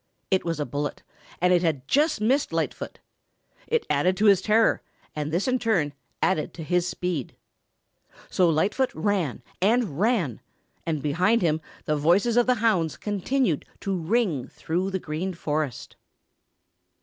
It was a bullet and it had just missed Lightfoot. It added to his terror and this in turn added to his speed. So Lightfoot ran and ran, and behind him the voices of the hounds continued to ring through the Green Forest.